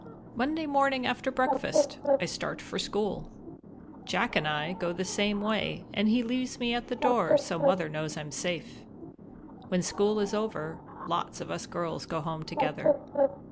_ Monday morning after breakfast I start for school. Jack and I go the same way, and he leaves me at the door, so Mother knows I'm safe. When school is over, lots of us girls go home together.